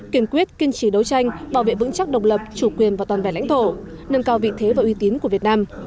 kiên quyết kiên trì đấu tranh bảo vệ vững chắc độc lập chủ quyền và toàn vẻ lãnh thổ nâng cao vị thế và uy tín của việt nam